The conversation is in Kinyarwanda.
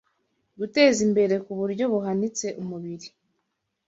guteza imbere ku buryo buhanitse umubiri